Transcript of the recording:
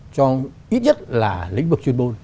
cho ít nhất là lĩnh vực chuyên môn